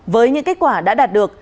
với những kết quả đã đạt được